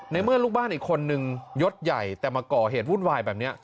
เมื่อลูกบ้านอีกคนนึงยศใหญ่แต่มาก่อเหตุวุ่นวายแบบนี้